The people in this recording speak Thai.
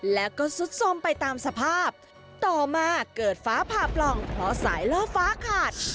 แล้วก็ซุดสมไปตามสภาพต่อมาเกิดฟ้าผ่าปล่องเพราะสายล่อฟ้าขาด